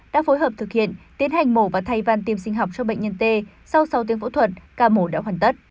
đã phối hợp thực hiện tiến hành mổ và thay van tiêm sinh học cho bệnh nhân t sau sáu tiếng phẫu thuật ca mổ đã hoàn tất